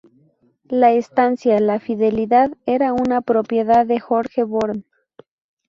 La estancia La Fidelidad era una propiedad de Jorge Born.